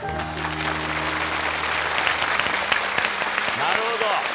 なるほど。